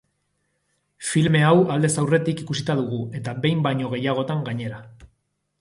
Filme hau aldez aurretik ikusita dugu eta behin baino gehiagotan gainera.